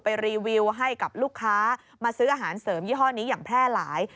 รีวิวให้กับลูกค้ามาซื้ออาหารเสริมยี่ห้อนี้อย่างแพร่หลาย